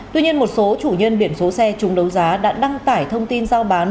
tuy nhiên một số chủ nhân biển số xe chúng đấu giá đã đăng tải thông tin giao bán